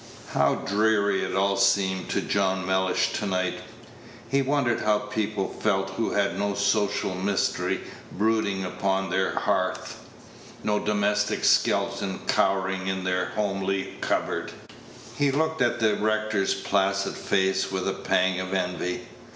How dreary it all seemed to John Mellish tonight! He wondered how people felt who had no social mystery brooding upon their hearth; no domestic skeleton cowering in their homely cupboard. He looked at the rector's placid face with a pang of envy.